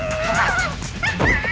susah dengan pribu